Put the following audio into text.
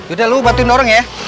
udah lu bantuin orang ya